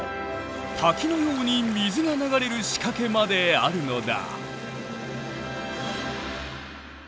滝のように水が流れる仕掛けまであるのだ！